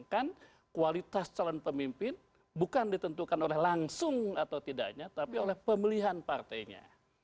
kan kualitas calon pemimpin bukan ditentukan oleh langsung atau tidaknya tapi oleh pemilihan partainya